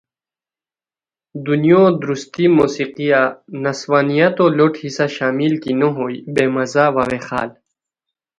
دنیو درستی موسیقیہ نسوانیتو لوٹ حصہ شامل کی نو ہوئے بے مزہ وا ویخال